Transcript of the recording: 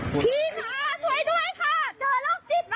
พี่คะช่วยด้วยค่ะเดินโลกจิตนะค่ะ